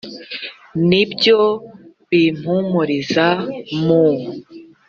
ni byo bimpumuriza mu